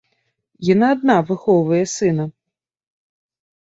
Яна адна выхоўвае сына.